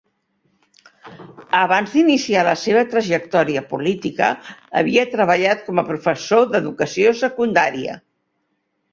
Abans d'iniciar la seva trajectòria política havia treballat com a professor d'educació secundària.